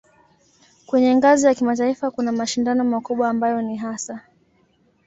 Kwenye ngazi ya kimataifa kuna mashindano makubwa ambayo ni hasa